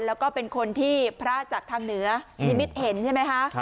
แล้วก็เป็นคนที่พระจากทางเหนือนิมิตเห็นใช่ไหมคะ